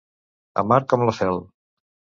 Amarg com la fel.